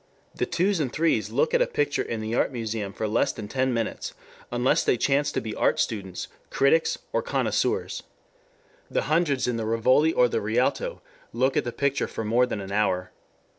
The twos and threes look at a picture in the Art Museum for less than ten minutes unless they chance to be art students, critics, or connoisseurs. The hundreds in the Rivoli or the Rialto look at the picture for more than an hour.